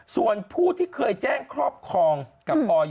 ส่วนผู้ที่เคยแจ้งครอบครองกับออย